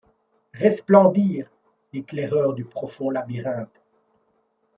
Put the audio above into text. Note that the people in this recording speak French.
Resplendir, éclaireur du profond labyrinthe ?